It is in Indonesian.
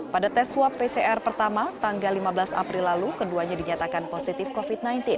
pada tes swab pcr pertama tanggal lima belas april lalu keduanya dinyatakan positif covid sembilan belas